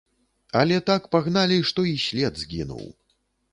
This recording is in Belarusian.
Але так пагналі, што і след згінуў.